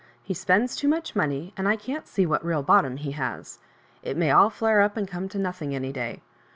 He spends too much money, and I can't see what real bottom he haa It may all fiare up and come to nothing any day.